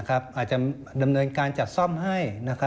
อาจจะดำเนินการจัดซ่อมให้